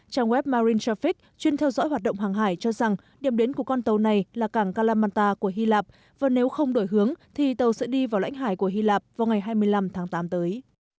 trang web marin traffic chuyên theo dõi hoạt động hàng hải cho rằng điểm đến của con tàu này là cảng kalamanta của hy lạp và nếu không đổi hướng thì tàu sẽ đi vào lãnh hải của hy lạp vào ngày hai mươi năm tháng tám tới